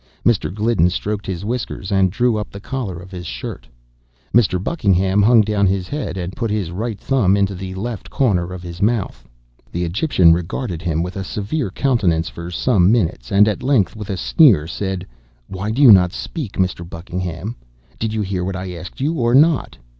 Mr. Glidden stroked his whiskers and drew up the collar of his shirt. Mr. Buckingham hung down his head, and put his right thumb into the left corner of his mouth. The Egyptian regarded him with a severe countenance for some minutes and at length, with a sneer, said: "Why don't you speak, Mr. Buckingham? Did you hear what I asked you, or not?